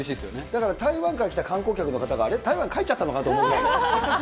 だから台湾から来た観光客の方が、あれ、台湾帰っちゃったのかなって思いますよね。